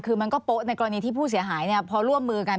คือมันก็โป๊ะในกรณีที่ผู้เสียหายเนี่ย